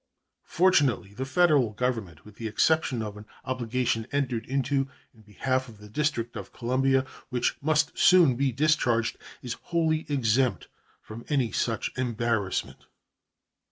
Fortunately, the Federal Government, with the exception of an obligation entered into in behalf of the District of Columbia, which must soon be discharged, is wholly exempt from any such embarrassment.